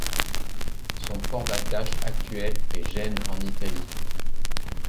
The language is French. Son port d'attache actuel est Gênes en Italie.